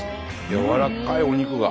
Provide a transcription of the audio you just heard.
やわらかいお肉が。